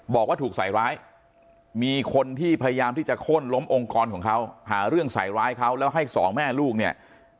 บอกว่าถูกใส่ร้ายมีคนที่พยายามที่จะโค้นล้มองค์กรของเขาหาเรื่องใส่ร้ายเขาแล้วให้สองแม่ลูกเนี่ย